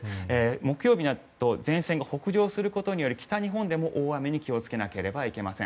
木曜日になると前線が北上することにより北日本でも大雨に気をつかなければいけません。